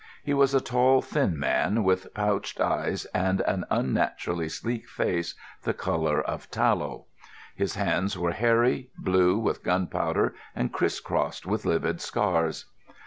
He was a tall, thin man, with pouched eyes and an unnaturally sleek face the colour of tallow. His hands were hairy, blue with gunpowder, and criss crossed with livid scars.